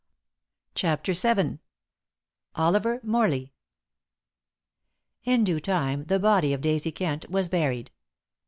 CHAPTER VII OLIVER MORLEY In due time the body of Daisy Kent was buried.